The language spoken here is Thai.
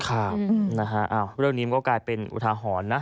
ครับเรื่องนี้ก็กลายเป็นอุทหาหอนนะ